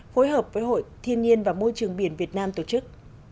phối hợp với hội thiên nhiên và môi trường biển việt nam tổ chức